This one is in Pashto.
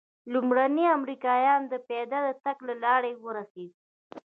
لومړني امریکایان د پیاده تګ له لارې ورسېدل.